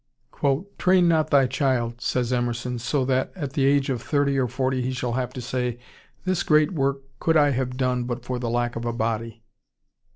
] "Train not thy child," says Emerson, "so that at the age of thirty or forty he shall have to say, 'This great work could I have done but for the lack of a body.